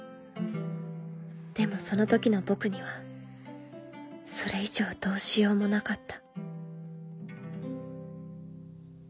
でもその時の僕にはそれ以上どうしようもなかった。